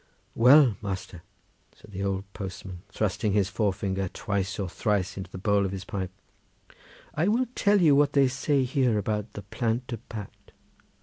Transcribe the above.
"Well, master," said the old postman, thrusting his forefinger twice or thrice into the bowl of his pipe, "I will tell you what they says here about the Plant de Bat.